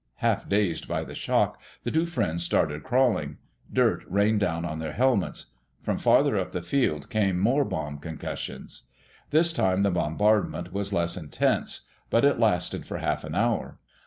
Half dazed by the shock, the two friends started crawling. Dirt rained down on their helmets. From farther up the field came more bomb concussions. This time the bombardment was less intense, but it lasted for half an hour.